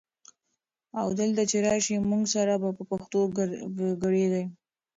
او دلته چې راشي موږ سره به په پښتو ګړېیږي؛